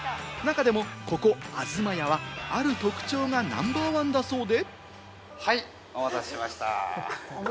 中でも、ここ、あづまやは、ある特徴がナンバー１だそうで。